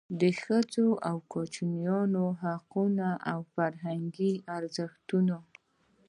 د ښځو او کوچنیانو حقوق او فرهنګي ارزښتونه.